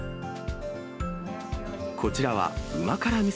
こちらはうま辛味噌